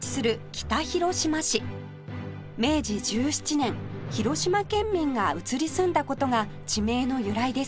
明治１７年広島県民が移り住んだ事が地名の由来です